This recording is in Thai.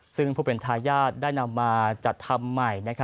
ซึ่งผู้เป็นทายาทได้นำมาจัดทำใหม่